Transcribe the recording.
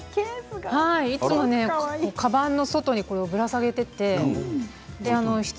いつもかばんの外にぶら下げているんです。